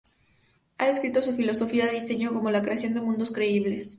Ha descrito su filosofía de diseño como la creación de mundos "creíbles".